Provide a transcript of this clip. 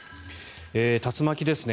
竜巻ですね。